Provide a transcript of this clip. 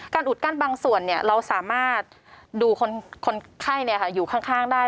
อุดกั้นบางส่วนเราสามารถดูคนไข้อยู่ข้างได้